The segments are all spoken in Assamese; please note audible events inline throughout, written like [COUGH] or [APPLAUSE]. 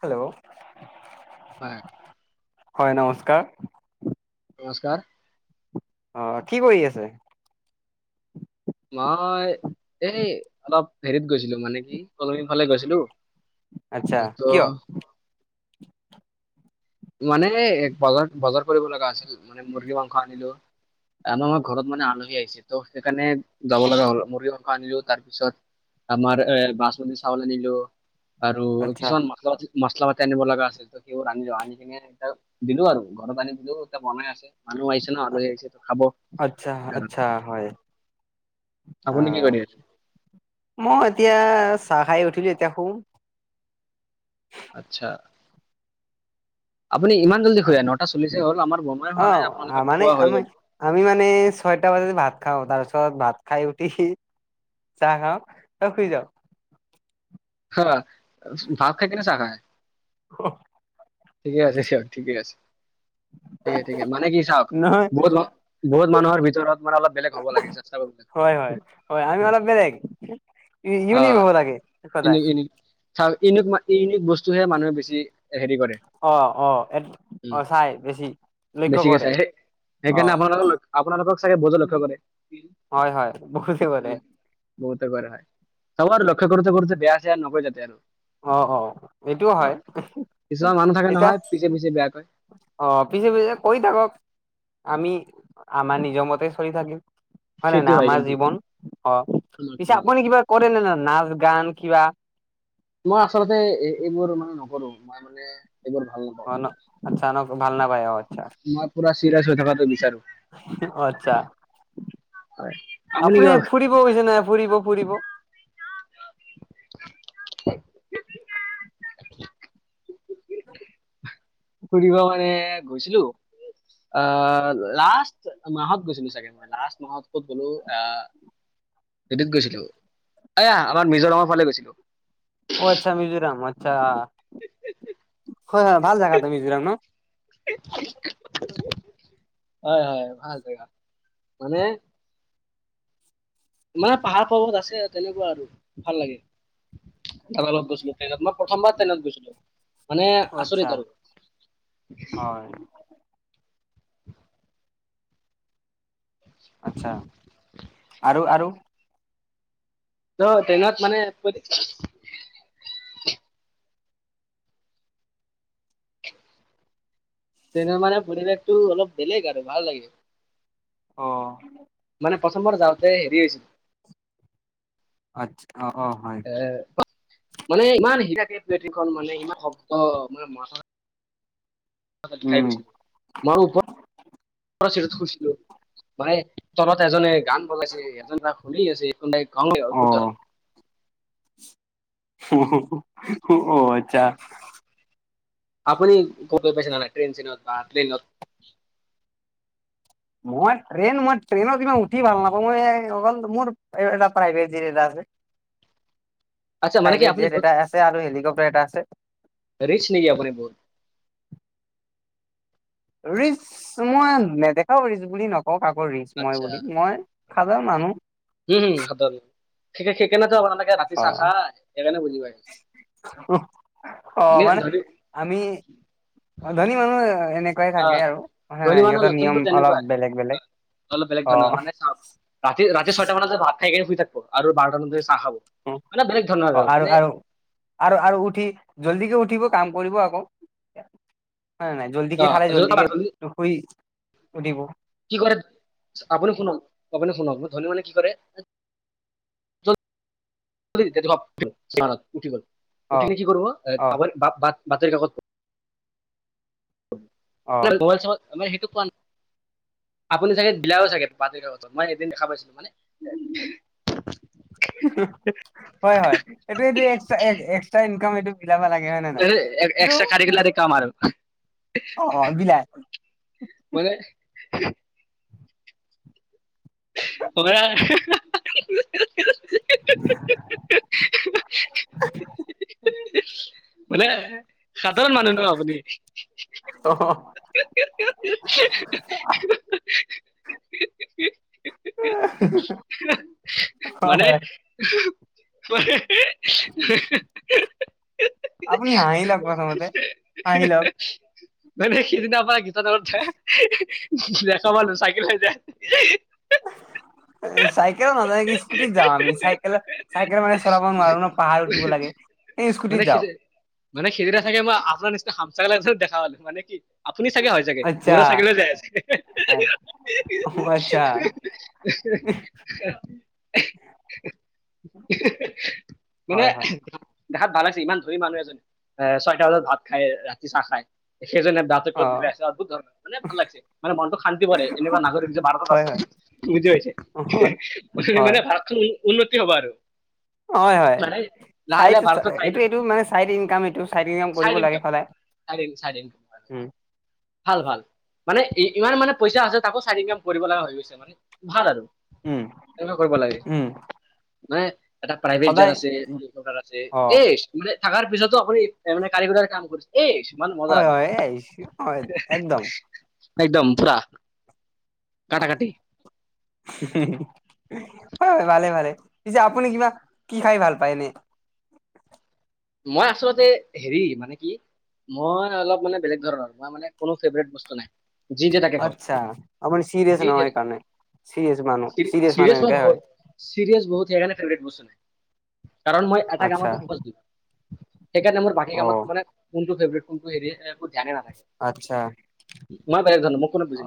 হেল্ল' হয়। হয়, নমস্কাৰ। নমস্কাৰ। অ', কি কৰি আছে? মই, এই অলপ হেৰিত গৈছিলোঁ, মানে কি কলনীৰ ফালে গৈছিলোঁ। আচ্ছা, কিয়? মানে বজাৰ, বজাৰ কৰিব লগা আছিল, মানে মুৰ্গী মাংস আনিলো। আমাৰ ঘৰত মানে আলহী আহিছে, ত' সেইকাৰণে, যাব লগা হ'ল মূৰ্গী মাংস আনিলো তাৰপিছত আমাৰ বাচমতী চাউল নিলো। আৰু আচ্ছা কিছুমান মছলা, মছলা পাতি আনিব লগা আছিল, ত' সেইবোৰ আনিলো। এয়া দিলো আৰু, ঘৰত আনি দিলো, এতিয়া বনাই আছে মানুহ আহিছে ন', আলহী আহিছে ত' খাব। আচ্ছা, সেইকাৰণে। আচ্ছা হয়। অ আপুনি কি কৰি আছে? মই এতিয়া চাহ খাই উঠিলোঁ এতিয়া শুম। আচ্ছা, আপুনি ইমান জল্দি, [UNINTELLIGIBLE] নটা চল্লিশে হ'ল, আমাৰ বনাই অ হোৱা নাই, আপোনালোকৰ মানে খোৱা হৈ আমি গ'ল। আমি মানে ছয়টা বজাত ভাত খাওঁ, তাৰপিছত ভাত খাই উঠি চাহ খাওঁ, শুই যাওঁ। হ [UNINTELLIGIBLE] ভাত খাই কিনে চাহ খায়। অ'। ঠিকে আছে দিয়ক, ঠিকে আছে। উ [UNINTELLIGIBLE] ঠিকে ঠিকে, মানে কি চাওঁক, বহুত মান, বহুত মানুহৰ ভিতৰত মানে অলপ বেলেগ হ'ব লাগে, কৰিব লাগে [UNINTELLIGIBLE] হয় হয়, হয়, আমি অলপ বেলেগ, অ ইউনিক হ'ব লাগে। [UNINTELLIGIBLE] সদায় ইউনিক বস্তুহে মানুহে বেছি হেৰি কৰে। অ, অ, অ', চাই বেছি, লক্ষ্য বেছিকে কৰে। চাই অ সেইকাৰণে আপোনালোকক, আপোনালোকক চাগে বজে [UNINTELLIGIBLE] লক্ষ্য কৰে। হয়, হয়, বহুত কৰে। উম বহুতে কৰে হয়, চাবা আৰু লক্ষ্য কৰোঁতে বেয়া-চেয়া আৰু নকৈ যাতে আৰু। অ, অ', এইটোও অ হয়, কিছুমান মানুহ থাকে এতিয়া নহয় পিছে পিছে বেয়া কয় অ', পিছে পিছে কৈ থাকক, আমি আমাৰ নিজৰ মতে চলি থাকিম। হয় নে নাই, আমাৰ জীৱন, অ', পিছে কিন্তু আপুনি কিবা কৰে নে নই, নাচ, গান কিবা। মই আচলতে এইবোৰ মানে নকৰোঁ, মই মানে এইবোৰ ভাল নাপ অ', ন' আচ্ছা ন', ভাল নপাই আহ আচ্ছা। মই পুৰা চিৰিয়াছ হৈ থকাটো বিচাৰোঁ। আত্ছা, হয় কিবা আপুনি ফুৰিব গৈছে না, ফুৰিব ফুৰিব। [UNINTELLIGIBLE] [UNINTELLIGIBLE] ফুৰিব মানে গৈছিলোঁ, অ', লাষ্ট মাহত গৈছিলোঁ, চাগে। লাষ্ট মাহত ক'ত গলো, আহ। গৈছিলোঁ, এয়া আমাৰ মিজোৰামৰ ফালে গৈছিলোঁ। অ', আচ্ছা, মিজোৰাম, আচ্ছা, হয় হয়, ভাল জাগা টো মিজোৰাম ন'। হয়, হয়, ভাল জেগা, মানে মানে পাহাৰ-পৰ্বত আছে, তেনেকুৱা আৰু ভাল লাগে। লগত গৈছিলোঁ ট্ৰেইনত, মই প্ৰথমবাৰ ট্ৰেইনত গৈছিলোঁ, মানে অ আচ্ছা আচৰিত আৰু। উ হয় [UNINTELLIGIBLE] আচ্ছা, আৰু, আৰু। ত' ট্ৰেনত মানে, কৈ দি [UNINTELLIGIBLE] ট্ৰেনত মানে পৰিৱেশটো, অলপ বেলেগ আৰু, ভাল লাগে। অ'। মানে প্ৰথমবাৰ যাওঁতে হেৰি হৈছিল। আচ্ছা অ', অ' হয়। এ, মানে ইমান হেৰি থাকে, পথিখন [UNINTELLIGIBLE] মানে ইমান শব্দ, মানে খাই উম গৈছিলোঁ। [UNINTELLIGIBLE] ময়ো ওপৰত শুইছিলোঁ, মানে তলত এজনে এক [UNINTELLIGIBLE] গান বজাইছে, এজন শুুনি আছে, অ অদ্ভুত [UNINTELLIGIBLE] অ', আচ্ছা। আপুনি ক পচ নাৰাই [UNINTELLIGIBLE] ট্ৰেইন-চেনত বা প্লেনত? মই ট্ৰেইন, মই ট্ৰেইনত ইমান উঠি ভাল নাপাওঁ, মই অকল [UNINTELLIGIBLE] মোৰ প্ৰাইভেট [UNINTELLIGIBLE] এটা আছে। আচ্ছা মানে কি প্ৰাইভেট আপুনি জেট বহুত এটা আছে, আৰু হেলিকপটাৰ এটা আছে। ৰিচ নেকি, আপুনি বহুত? ৰিচ, মই নেদেখাওঁ ৰিচ বুলি নকওঁ, কাকো ৰিচ মই আচ্ছা বুলি, মই খাজা মানুহ। উম, হম হাতত, সেইকাৰণেটো আপোনালে এ, ৰাতি অ চাহ খাই, সেইকাৰণে বুজি পাইছোঁ অ মানে ধন আমি, ধনী মানুহ তেনেকুৱাই অ থাকে আৰু, হয় নে, ধনী মানুহৰ সিহঁতৰ লক্ষণবোৰ নিয়ম অলপ বেলেগ তেনেকুৱাই। বেলেগ অলপ বেলেগ ধৰণৰ মানে অ' চাওক ৰাতি, ৰাতি ছয়টা মান ভাত খাই শুই থাকিব, আৰু বাৰটা মানত চাহ খাব, অ মানে বেলেগ ধৰণৰ আৰু, মানে আৰু, আৰু উঠি জল্দিকে উঠিব, কাম কৰিব আকৌ, হয়নে নাই। জল্দিকে খালে, জল্দিকে অ শুই উঠি দিব। কি কৰে, আপুনি শুনক, আপুনি শুনক ধনী মানুহে কি কৰে, চাৰ উঠি গ'ল। [UNINTELLIGIBLE] অ উঠি কিনে অ কৰিব, বাতৰ কাকত চ আম অ [UNINTELLIGIBLE] সেইটো কোৱা ন আপুনি চাগে ডিলাও চাগে পাতি কাগজত, মই এদিন দেখা পাইছিলো, মানে হয় হয়, এইটো এইটো এক-এক্সট্ৰা ইনকাম এইটো মিলাব নালাগে হয়নে নাই, এইটো কা মাৰো। অ', অ' বিলাই মানে হমেৰাৰ [INAUDIBLE] মানে সাধাৰণ মানুহ ন' আপুনি। অ [INAUDIBLE] হয় মানে হয় [UNINTELLIGIBLE] আপুনি হাঁহি লওক প্ৰথমতে, হাঁহি লওক। মানে সিদিনাৰপৰা গিটা দত যায় দেখ পালোঁ চাইকেল লৈ যায়। চাইকেলত নাযাওঁ স্কুটিত যামওঁ আমি, চাইকেলত চাইকেল মানে চলাব নোৱাৰো ন'। পাহাৰ উঠিব লাগে। এই স্কুটিত মানে সি যাওঁ মানে সিদিনা চাগে মই আপোনাৰ নিচিনা হামচকল দেখা পালোঁ, মানে কি আপুনি চাগে হয় চাগে, আচ্ছা বুঢ়া চাইকেল লৈ যাই আছে। আচ্ছা [UNINTELLIGIBLE] মানে হয় হয় দেখাত ভাল লাগিছে, ইমান ধনী মানুহ এজন এ, ছয়টা বজাত ভাত খায়, ৰাতি চাহ খায়। সেইজনে অ ডাকেটত বিলাই আছে অদ্ভূত ধৰণ, মানে ভাল লাগিছে। মানে মনটো শান্তি পৰে, এনেকুৱা নাগৰিক যে ভাৰতত হয় হয় আছে। বুজি হয় পাইছে, হয় মানে ভাৰতখন উন্নতি হ'ব আৰু। হয় হয় মানে লাহে চাই লাহে ভাৰতত এইটো চাইনা এইটো মানে চাইড ইনকাম, এইটো চাইড ইনকাম কৰিব লাগে সদায় চাইড ইনকাম উ। ভাল ভাল, মানে ই-ইমান মানে পইচা আছে তাকো চাইড ইনকাম কৰিব লগা হৈ গৈছে মানে। ভাল আৰু উম এনেকুৱা কৰিব লাগে। উম এটা প্ৰাইভেট যাৰ সদায় আছে, পাৰ আছে অ এ, মানে ষ্টুডে থাকাৰ পিছতো আপুনি মানে কাৰীগৰৰ কাম কৰিছে। এই ইমান মজা। হয় হয় এই আহিছো হয় একদম একদম পুৰা, কটাকাটি। হয় হয়, ভালে ভালে। পিছে আপুনি কিবা কি খাই ভাল পায় এনে? মই আচলতে হেৰি মানে কি মই অলপ মানে বেলেগ ধৰণৰ, তাৰমানে কোনো ফেভৰেট বস্তু নাই। যি দিয়ে তাকে খাওঁ আচ্ছা, আপুনি চিৰিয়েছ যি ন' দিয়ে হেই তাকে কাৰণে, চিৰিয়েছ মানুহ, চিৰিয়েছ মানুহ এনেকাই হয়। চিৰীয়েছ বহুত সেইকাৰণে বস্তু নাই কাৰণ মই এটা আচ্ছা কামতে সেইকাৰণে মোৰ বাকী অ কামত মানে কোনটো ফেভ্ৰেট কোনটো হেৰি মোক জাগে আচ্ছা নাথাকে। মই বেলেগ ধৰণৰ, মোক কোনো বুজি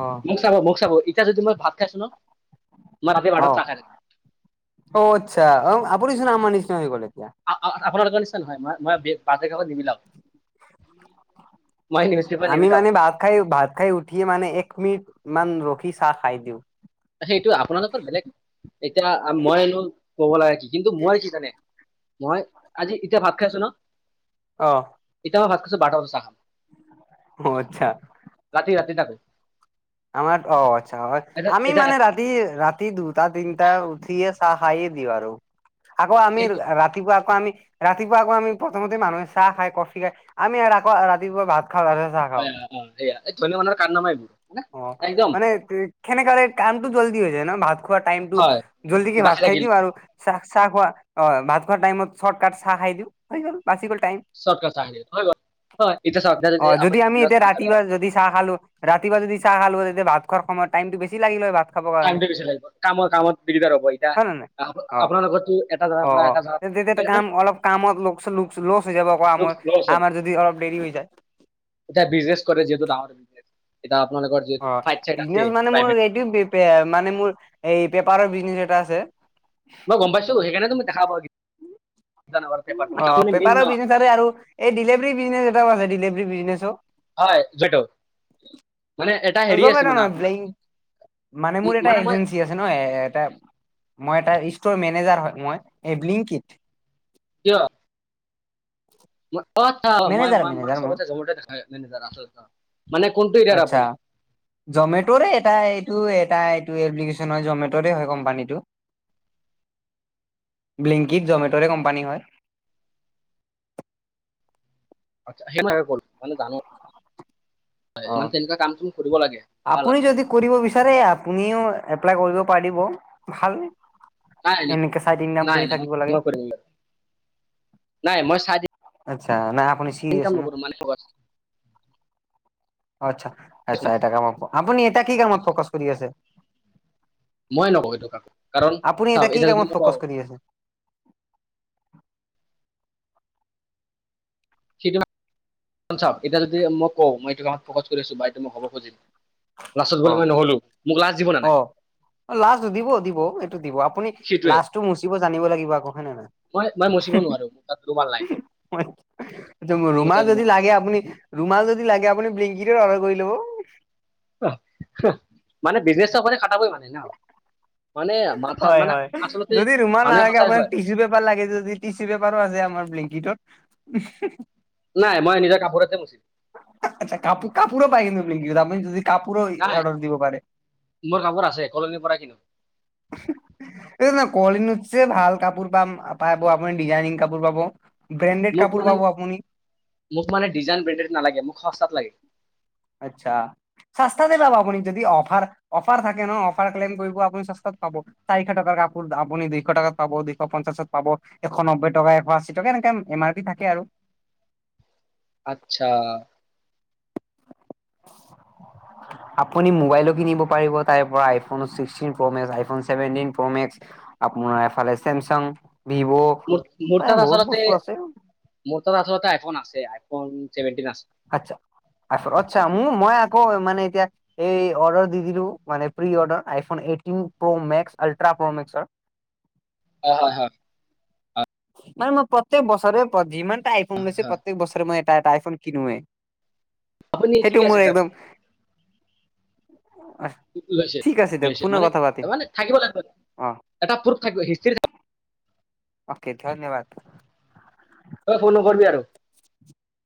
অ চাব মোক চাব এতিয়া যদি মই ভাত খাইছোঁ ন' মই ৰাতি অ বাৰটাত চাহ খাই আছোঁ। অ, আচ্ছা, আপুনিচোন আমাৰ নিচিনা হৈ গ'ল এতিয়া। আ -আ-আপোনালোকৰ নিচিনা নহয়, মই-মই বাজে কামত নিমিলাও। নিউজ পেপাৰ আমি নিবিলাও মানে ভাত খাই ভাত খাই উঠিয়ে মানে এক মিনিট মান ৰখি চাহ খাই দিওঁ। সেইটো আপোনালকৰ বেলেগ, এতিয়া মইনো ক'ব লাগা কি কিন্তু মই কি জানে। মই আজি এতিয়া ভাত খাই আছোঁ ন' অ'। এতিয়া মই ভাত খাইছোঁ, বাৰটা বজাত চাহ খাম। অ' আচ্ছা। ৰাতি, ৰাতি তাকো। আমাৰ অ' আচ্ছা, মানে ৰা ৰাতি ৰাতি দুটা তিনিটা উঠিয়ে চাহ খাইে দিওঁ আৰু আকৌ আমি এতিয়া ৰাতি ৰাতিপুৱা আকৌ আমি ৰাতিপুৱা আকৌ আমি প্ৰথমতে মানুহে চাহ খাই, কফি খাই, আমি আকৌ ৰাতিপুৱা ভাত খাওঁ। খাওঁ অ' অয়া এয়া ধনৈ মানৰ কাণ নামাই অ' মানে খেনে কালে কামটো জল্দি হৈ যায় ন ভাত। খোৱা টাইমটো হয় জল্দি কি ভাত বাচি খাই থাকিল দিম আৰু চাহ চাহ খোৱা অ' ভাত খোৱাৰ টাইমত চৰ্টকাট চাহ খাই দিওঁ, বাচি গ'ল টাইম। চৰ্টকাট চাহ খাই হয় হয় এতিয়া চাওক এতিয়া অ' যদি আপুনি আমি দিনত এতিয়া চাহ খালে ৰাতিপুৱা যদি চাহ খালোঁ। ৰাতিপুৱা যদি চাহ খালোঁ হয়, তেতিয়া ভাত খোৱাৰ সময়ত টাইমটো বেছি লাগিল হয় ভাত খাবৰ কাৰণে টাইমটো বেছি লাগিব কামৰ কামত দিগদাৰ হ'ব এতিয়া। হয় নে নাই অ' আপোনালোকৰতো এটা জেগাৰ অ' পৰা অ' এটা জেগাত তেতিয়া কাম মানে অলপ কামত লোকচান লচ হৈ যাব। লছ হ'ল। আমাৰ যদি অলপ দেৰি হৈ যায়। এতিয়া ব্ৰিজনেছ কৰে যিহেতু ডাঙৰ, এতিয়া আপোনালোকৰ অ যিহেতু ফিলাইট চিলাইট বিজনেচ আছে মানে মোৰ প্ৰাইভেট। এইটো মানে মোৰ এই পেপাৰৰ ব্ৰিজনেচ এটা আছে। মই গ'ম পাইছোঁ। সেইকাৰণে টো মই দেখা পাওঁ। পেপাৰ মানে অ' আপুনি মেইন ন পেপাৰৰ ব্ৰিজনেছ আৰু এই ডিলেভৰী ব্ৰিজনেছ এটাও আছে, ডেলেভেৰী ব্ৰিজনেছো হয়, [UNINTELLIGIBLE] মানে এটা হেৰি আছে মানে আপোনাৰ [UNINTELLIGIBLE] মানে মোৰ এটা এজেঞ্চি আছে ন এ এটা মই এটা ষ্টৰ মেনেজাৰ হয় মই, এই বিলিংকিট কিয়? অচ্ছা মেনেজাৰ মেনেজাৰ মই [UNINTELLIGIBLE] মানে কোনটো এৰিয়া আচ্ছা আপুনি। জমেটৰে এটা এইটো এটা এইটো এপ্লিকেশন হয় জমেটৰে হয় কোম্পানীটো। ব্লিংকিত জমেটৰে কোম্পানী হয়। মানে জানো। মানে তেনেকুৱা কাম তুমি কৰিব লাগে অ' ভাল আপুনি আৰু যদি। কৰিব বিচাৰে আপুনিও এপ্লাই কৰিব পাৰিব ভালে। নাই নাই এনেকে চাইটিন নাম নাই কৰি নাই থাকিব লাগে। মই কৰিম নাই মই চাই আচ্ছা নাই আপুনি চিৰিয়াছ ইনকাম ন নকোৰোঁ মানুহে কয়। অহ' আচ্ছা, আচ্ছা এটা কামত আপুনি এটা কি কামত ফকাচ কৰি আছে। মই নকওঁ এইটো কাম, কাৰণ আপুনি চাওঁক কি এতিয়া যদি কামত কওঁ। ফকাচ কৰি আছে [UNINTELLIGIBLE] চা এতিয়া যদি মই কওঁ মই এইটো কামত ফকাচ কৰি আছোঁ বা মোক হ'ব খুজিল লাষ্টত বোলে মই নহ'লো। মোৰ লাজ দিব না নাই অহ' অ' লাজ দিব দিব এইটো দিব আপুনি সেইটোৱে লাজটো মুচিব জানিব লাগিব আকৌ হয় নে নহয়। মই মই মচিব নোৱাৰো [UNINTELLIGIBLE] মোৰ তাত ৰুমাল নাই মোৰ তাত ৰুমাল যদি নাই লাগে আপুনি ৰুমাল যদি লাগে আপুনি ব্লিংকেটত অৰ্ডাৰ কৰি ল'ব। [UNINTELLIGIBLE] মানে ব্ৰিজনেচপতে খটাবই মানে ন মানে মাথা হয়, মানে হয়, আচলতে যদি ৰুমাল মানুহে নালাগে সঁচাই আপোনাৰ কয় টিচু পেপাৰ লাগে যদি টিচি পেপাৰো আছে আমাৰ ব্লেংকটত। নাই মই নিজৰ কাপোৰতে মুচিম। আচ্ছা কাপোৰ কাপোৰো পায় কিন্তু ব্লিংকেটত কি আপুনি যদি কাপোৰো নাই অৰ্ডাৰ দিব পাৰে। মোৰ কাপোৰ আছে কলনীৰ পৰা কিনো। [UNINTELLIGIBLE] এই কলনীত যে ভাল কাপোৰ পাম পাব আপুনি ডিজাইনিং কাপোৰ পাব। ব্ৰেণ্ডেড মোক কাপোৰ মানে পাব আপুনি। মোক মানে ডিজাইন ব্ৰেণ্ডেড নালাগে মোক সস্তাত লাগে। আচ্ছা। চাস্তাতে পাব, আপুনি যদি অফাৰ অফাৰ থাকে ন অফাৰ ক্লেইম কৰিব আপুনি চস্তাতে পাব। চাৰিশ টকাৰ কাপোৰ আপুনি দুইশ টকাত পাব দুইশ পঞ্চাশত পাব এশ নব্বৈ টকা এশ আশী টকা এনেকা এম আৰ পি থাকে আৰু। আচ্ছা। [UNINTELLIGIBLE] আপুনি মোবাইলো কিনিব পাৰিব তাইৰ পৰা iPhone sixteen pro max seventeen pro max আপোনাৰ এফালে চেমচাং ভিভো মোৰ তাত আচলতে মোৰ তাত আচলতে আইফোন আছে আইফোন চভেনটিন আছে। আচ্ছা আছ আচ্ছা মোৰ মই আকৌ মানে এতিয়া এই অৰ্ডাৰ দি দিলো মানে pre order iPhone eighteen pro max ultra pro মেক্সৰ। হয়, হয়, হয়। মানে মই প্ৰত্যেক বছৰৰে প মানে যিমানটা আই ফোনলৈছো প্ৰত্যেক বছৰে মই টা এটা আইফোন কিনোৱে, আপুনি ঠিকে সেইটো আছে মোৰ দিয়ক একদম আহ [UNINTELLIGIBLE] লৈছে লৈছে মানে মানে থাকিব লাগিব অ এটা প্ৰুভ থাকিব হিষ্ট্ৰি থাকিব অ'কে ধন্যবাদ। তই ফোন নকৰিবি আৰু।